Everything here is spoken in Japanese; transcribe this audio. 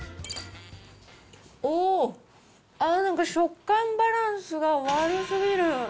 おー、ああ、なんか食感バランスが悪すぎる。